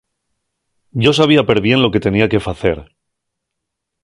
Yo sabía perbién lo que tenía que facer.